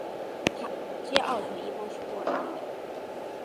偕二醇一般是不稳定的。